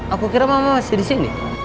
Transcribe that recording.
aku kira mama masih disini